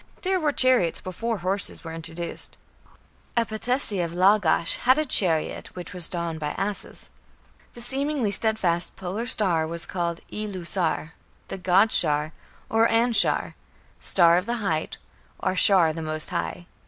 There were chariots before horses were introduced. A patesi of Lagash had a chariot which was drawn by asses. The seemingly steadfast Polar Star was called "Ilu Sar", "the god Shar", or Anshar, "star of the height", or "Shar the most high".